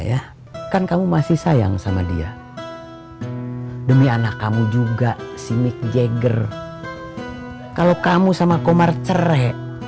ya kan kamu masih sayang sama dia demi anak kamu juga si mick jagger kalau kamu sama komar cerai